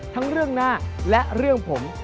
ทั้งเรื่องหน้าและเรื่องผม